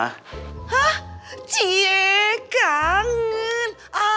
hah cie kangen